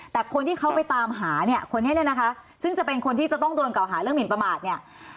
แต่คนที่เขาไปตามหาเนี่ยคนนี้เนี่ยนะคะซึ่งจะเป็นคนที่จะต้องโดนเก่าหาเรื่องหมินประมาทเนี่ย